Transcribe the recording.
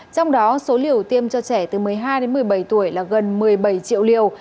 trong đó số liều tiêm cho trẻ từ một mươi hai đến một mươi bảy tuổi là gần một mươi bảy triệu liều